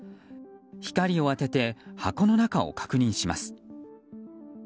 光を当てて箱の中を確認します。